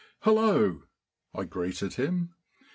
"Hullo!" I greeted him.